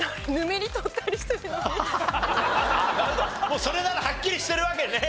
もうそれならはっきりしてるわけね。